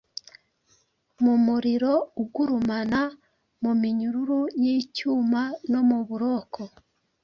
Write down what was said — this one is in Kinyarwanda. mumuriro ugurumana, muminyururu yicyuma no muburoko